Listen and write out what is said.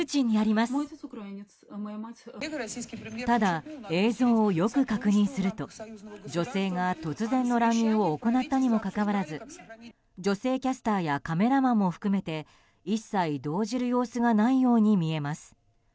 ただ、映像をよく確認すると女性が突然の乱入を行ったにもかかわらず女性キャスターやカメラマンも含めて一切動じる様子がないように見えます。